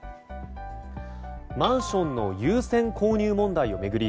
マンションの優先購入問題を巡り